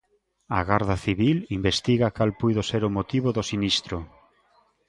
A Garda Civil investiga cal puido ser o motivo do sinistro.